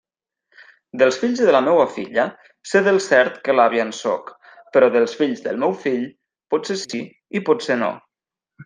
Dels fills de la meua filla, sé del cert que l'àvia en sóc; però dels fills del meu fill, potser sí i potser no.